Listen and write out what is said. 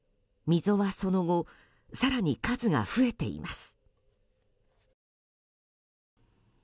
溝は、その後更に数が増えています。